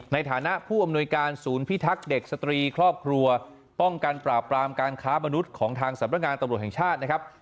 ในฐานะผู้อำนวยการศูนย์พิทักษ์เด็กสตรีครอบครัวป้องกันปราบปรามการค้ามนุษย์ของทางสำนักงานตำรวจแห่งชาตินะครับ